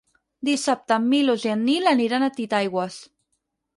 Dissabte en Milos i en Nil aniran a Titaigües.